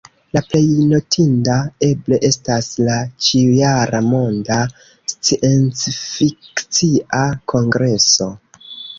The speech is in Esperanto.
La plej notinda eble estas la ĉiu-jara Monda Sciencfikcia Kongreso.